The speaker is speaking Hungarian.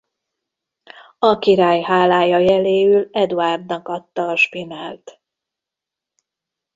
A király hálája jeléül Eduárdnak adta a spinellt.